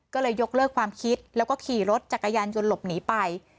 ก็เลยยกเลิกความคิดแล้วก็ขี่รถจักรยานยนต์หลบหนีไป